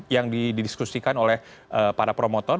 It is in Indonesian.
yang didiskusikan oleh para promotor